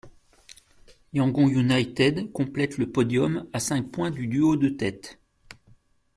Yangon United complète le podium, à cinq points du duo de tête.